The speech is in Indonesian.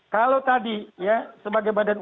kalau tadi ya sebagai badan